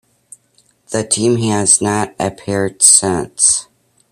The team has not appeared since.